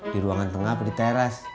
di ruangan tengah atau di teras